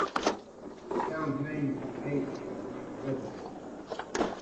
The town's name was the maiden name of one of the residents.